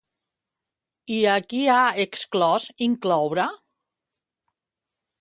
I a qui ha exclòs incloure?